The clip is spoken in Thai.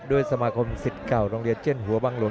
สมาคมสิทธิ์เก่าโรงเรียนเจียนหัวบังหลวง